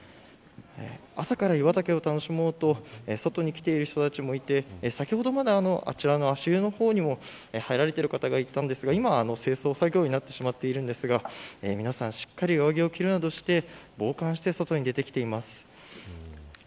朝から湯畑を楽しもうと外に来てるしたちもいて先ほどあちらの足湯の方にも入られている方がいたんですが今は清掃作業になってしまっているんですが皆さんしっかり上着を着るなどして防寒して外に出てきています。